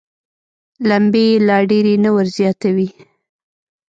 لمبې یې لا ډېرې نه وزياتوي.